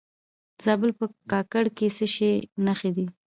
د زابل په کاکړ کې د څه شي نښې دي؟